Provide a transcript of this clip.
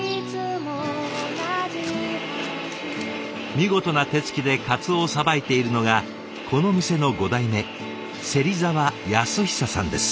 見事な手つきで鰹をさばいているのがこの店の５代目芹沢安久さんです。